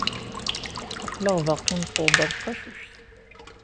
Aql-aɣ baqi newweḍ-d ɣer tqacuct.